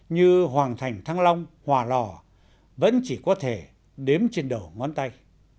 như hoàng thành thăng long hòa lò vẫn chỉ có thể đếm trên đầu ngón tay